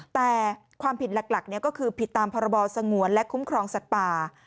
แต่ความผิดหลักก็คือผิดตามพรบสงวนและคุ้มครองสัตว์ป่า